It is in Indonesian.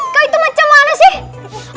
kok itu macam mana sih